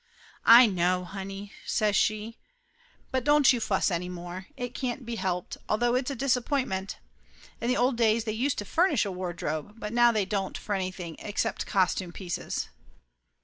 "I know, honey!" says she. "But don't you fuss any more. It can't be helped, although it's a disap pointment. In the old days they used to furnish a wardrobe, but now they don't for anything except cos tume pieces."